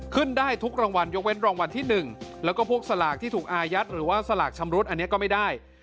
ขึ้นได้ทุกรางวัลยกเว้นรางวัลที่๑แล้วก็พวกสลากที่ถูกอายัดหรือว่าสลากชำรุดอันนี้ก็ไม่ได้